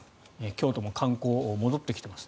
京都も観光、戻ってきています。